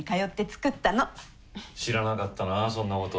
知らなかったなそんなこと。